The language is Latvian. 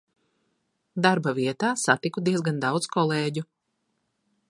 Darba vietā satiku diezgan daudz kolēģu.